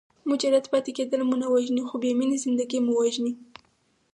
مجرد پاتې کېدل مو نه وژني خو بې مینې زندګي مو وژني.